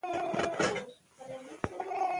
دا هر څه په هڅو پورې تړلي دي.